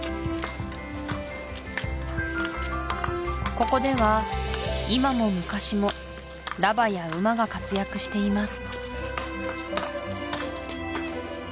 ここでは今も昔もラバや馬が活躍しています